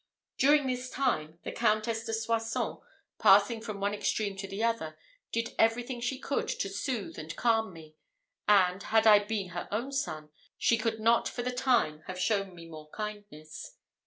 During this time, the Countess de Soissons, passing from one extreme to the other, did everything she could to soothe and calm me; and, had I been her own son, she could not for the time have shown me more kindness.